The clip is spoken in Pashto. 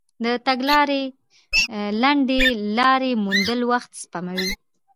د تګ لپاره لنډې لارې موندل وخت سپموي.